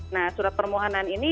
nah surat permohonan ini